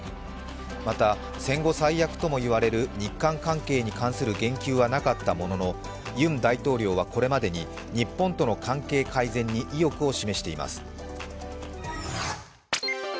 また、戦後最悪ともいわれる日韓関係に関する言及はなかったものの、ユン大統領はこれまでに日本との関係改善に意欲を示しています。